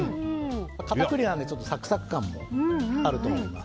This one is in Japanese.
片栗なのでサクサク感もあると思います。